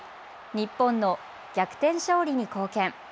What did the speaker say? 日本の逆転勝利に貢献。